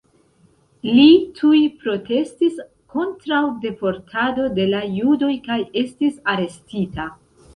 Li tuj protestis kontraŭ deportado de la judoj kaj estis arestita.